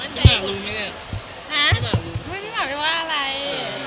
หาไม่ได้บอกว่าอะไร